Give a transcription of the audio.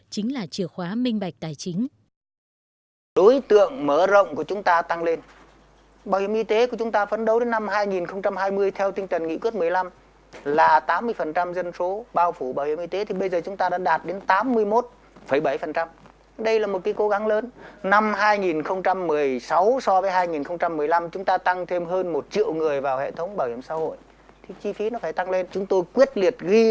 công nghệ thông tin chính là chìa khóa minh bạch tài chính